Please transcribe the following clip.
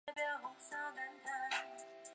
贾让是西汉著名水利家。